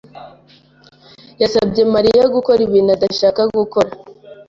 yasabye Mariya gukora ikintu adashaka gukora.